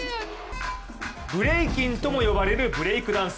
ブレイキンとも呼ばれるブレークダンス。